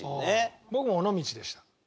僕も尾道でした。